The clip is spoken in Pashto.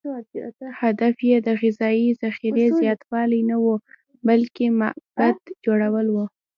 هدف یې د غذایي ذخیرې زیاتوالی نه و، بلکې معبد جوړول و.